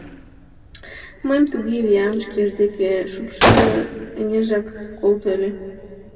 Мыйым туге виян шкеж деке шупшыльо — ынежак колто ыле.